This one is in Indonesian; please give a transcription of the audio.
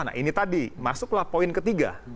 nah ini tadi masuklah poin ketiga